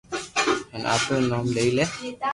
ھين آپري نوم لئي لي